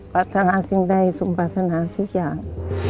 ปรารถนาสิ่งใดสมปรารถนาทุกอย่าง